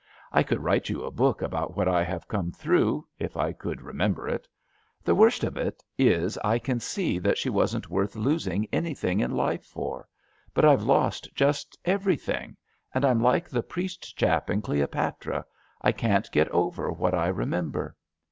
I could write you a book about what I have come through, if I could remember it. The worst of it is I can see that she wasn't worth losing any thing in life for, but Vye lost just everything, and I'm like the priest chap in Cleopatra — ^I can't get over what I remember.